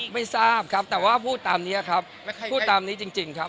ไม่ทราบครับแต่ว่าพูดตามนี้ครับพูดตามนี้จริงครับ